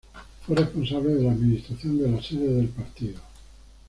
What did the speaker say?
Fue responsable de la administración de la sede del partido.